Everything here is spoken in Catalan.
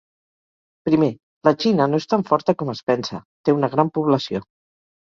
Primer, la Xina no és tan forta com es pensa; té una gran població.